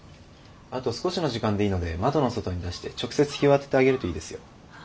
あと少しの時間でいいので窓の外に出して直接日を当ててあげるといいですよ。